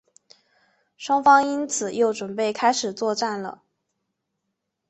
双方因此又准备开始作战了。